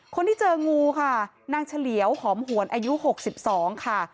คนที่เจองูค่ะนางเฉลียวหอมหวนอายุ๖๒ค่ะ